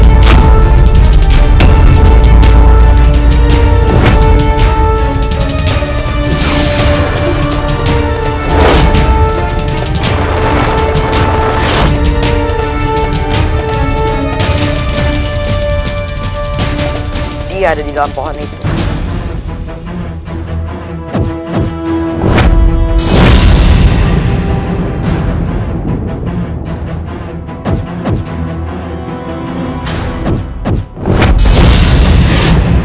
aku harus bersembunyi